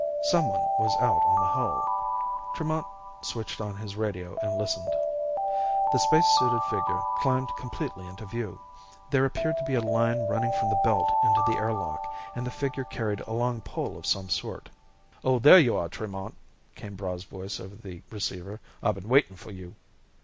Someone was out on the hull. Tremont switched on his radio and listened. The spacesuited figure climbed completely into view. There appeared to be a line running from the belt into the air lock, and the figure carried a long pole of some sort. "Oh, there you are, Tremont!" came Braigh's voice over the receiver. "I've been waiting for you."